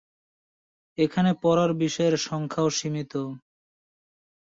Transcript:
এখানে পড়ার বিষয়ের সংখ্যাও সীমিত।